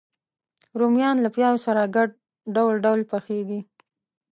رومیان له پیاز سره ګډ ډول ډول پخېږي